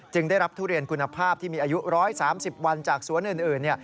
ได้รับทุเรียนคุณภาพที่มีอายุ๑๓๐วันจากสวนอื่น